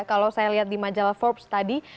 kalau saya lihat di majalah forbes tadi